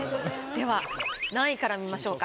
では何位から見ましょうか？